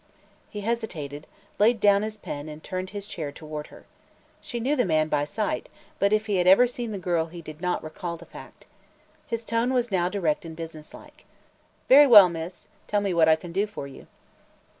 He hesitated, laid down his pen and turned his chair toward her. She knew the man, by sight, but if he had ever seen the girl he did not recall the fact. His tone was now direct and businesslike. "Very well, miss; tell me what I can do for you."